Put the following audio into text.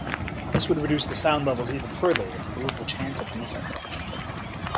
This would reduce the sound levels even further and remove the chance of missing.